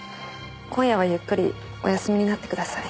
今夜はゆっくりお休みになってください。